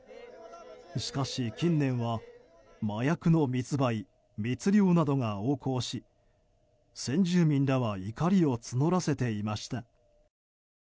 しかし、近年は麻薬の密売、密漁などが横行し先住民らは怒りを募らせていました。